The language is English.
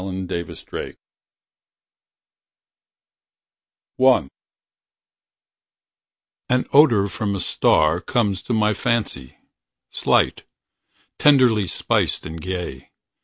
An odor from a star An odor from a star Comes to my fancy, slight. Tenderly spiced and gay.